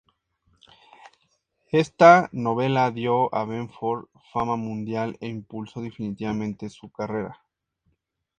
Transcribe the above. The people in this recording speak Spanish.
Esta novela dio a Benford fama mundial e impulsó definitivamente su carrera.